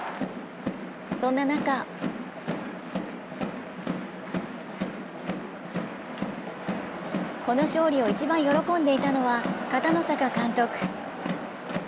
そんな中この勝利を一番喜んでいたのは片野坂監督。